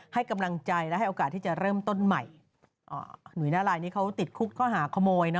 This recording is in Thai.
ให้กำลังใจและให้โอกาสที่จะเริ่มต้นใหม่อ๋อหุยหน้าลายนี้เขาติดคุกข้อหาขโมยนะ